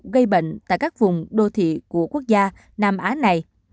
gây bệnh tại các vùng đô thị của quốc gia nam á này